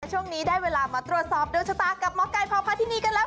ช่วงนี้ได้เวลามาตรวจสอบโดนชะตากับหมอไก่พอพาที่นี่กันแล้ว